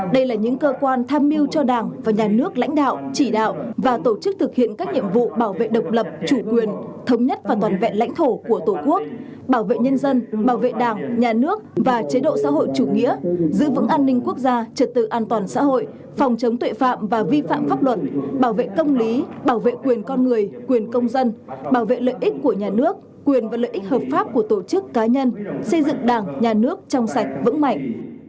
đây là những cơ quan tham mưu cho đảng và nhà nước lãnh đạo chỉ đạo và tổ chức thực hiện các nhiệm vụ bảo vệ độc lập chủ quyền thống nhất và toàn vẹn lãnh thổ của tổ quốc bảo vệ nhân dân bảo vệ đảng nhà nước và chế độ xã hội chủ nghĩa giữ vững an ninh quốc gia trật tự an toàn xã hội phòng chống tuệ phạm và vi phạm pháp luận bảo vệ công lý bảo vệ quyền con người quyền công dân bảo vệ lợi ích của nhà nước quyền và lợi ích hợp pháp của tổ chức cá nhân xây dựng đảng nhà nước trong sạch vững mạnh